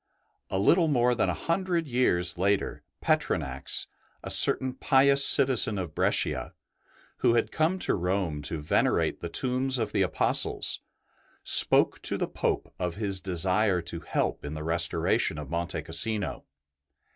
A little more than a hundred years later Petronax, a certain pious citizen of Brescia, who had come to Rome to venerate the tombs of the Apostles, spoke to the Pope of his desire to help in the restoration of Monte Cassino.